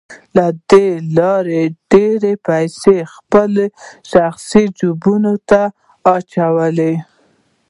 له دې لارې يې ډېرې پيسې خپلو شخصي جيبونو ته اچولې.